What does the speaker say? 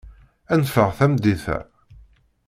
Ad neffeɣ tameddit-a.